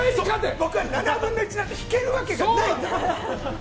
僕は７分の１なんて引けるわけがないんだ。